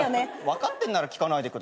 分かってんなら聞かないで。